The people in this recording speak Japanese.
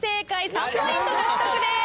３ポイント獲得です。